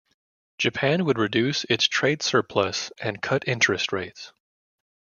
Japan would reduce its trade surplus and cut interest rates.